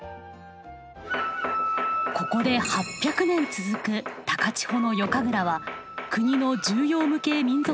ここで８００年続く高千穂の夜神楽は国の重要無形民俗